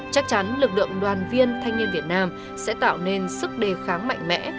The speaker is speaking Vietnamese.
chắc chắn lực lượng đoàn viên thanh niên việt nam sẽ tạo nên sức đề kháng mạnh mẽ